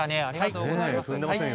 ありがとうございます。